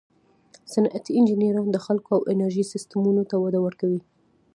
صنعتي انجینران د خلکو او انرژي سیسټمونو ته وده ورکوي.